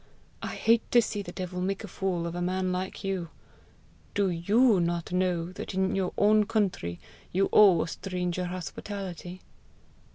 I hate to see the devil make a fool of a man like you! Do YOU not know that in your own country you owe a stranger hospitality?"